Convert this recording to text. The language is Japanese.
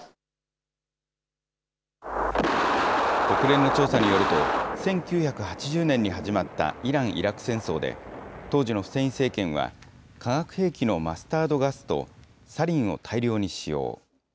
国連の調査によると、１９８０年に始まったイラン・イラク戦争で、当時のフセイン政権は化学兵器のマスタードガスとサリンを大量に使用。